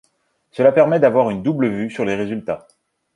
Cela permet d'avoir une double vue sur les résultats.